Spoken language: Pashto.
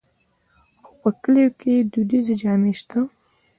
خو په کلیو کې دودیزې جامې شته.